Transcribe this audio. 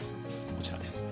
こちらです。